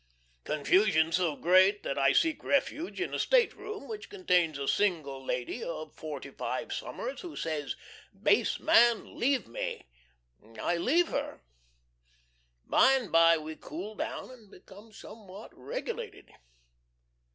Confusion so great that I seek refuge in a stateroom which contains a single lady of forty five summers, who says, "Base man! leave me!" I leave her. By and by we cool down, and become somewhat regulated.